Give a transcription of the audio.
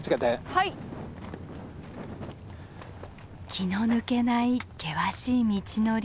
気の抜けない険しい道のり。